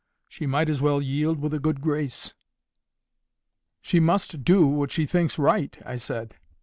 She might as well yield with a good grace." "She must do what she thinks right," I said.